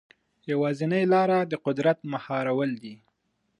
یوازینۍ لاره د قدرت مهارول دي.